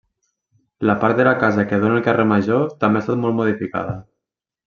La part de la casa que dóna al carrer Major també ha estat molt modificada.